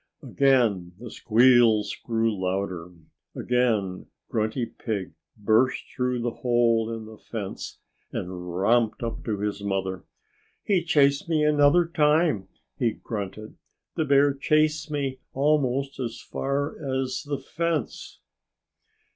Again the squeals grew louder. Again Grunty Pig burst through the hole in the fence and romped up to his mother. "He chased me another time!" he grunted. "The bear chased me almost as far as the fence."